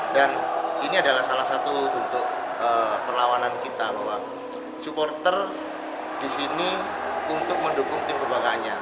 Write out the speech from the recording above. dan ini adalah salah satu untuk perlawanan kita bahwa supporter disini untuk mendukung kekembangannya